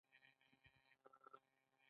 د انګریزامو د ماتې کیسې نسل په نسل لیږدول کیږي.